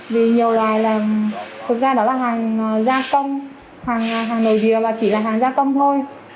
vì nhiều loại thực ra đó là hàng gia công hàng nội địa và chỉ là hàng gia công thôi